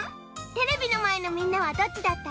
テレビのまえのみんなはどっちだった？